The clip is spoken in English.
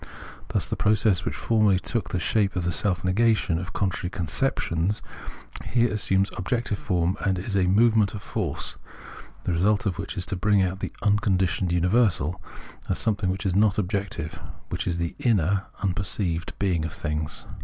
Thus the process, which formerly took the shape of the self negation of contradictory conceptions, here assumes objective form, and is a movement of force, the result of which is to bring out the " unconditioned imiversal " as something which is not objective — which is the inner (unperceived) being of things.